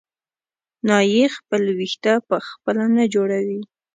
نایي خپل وېښته په خپله نه جوړوي.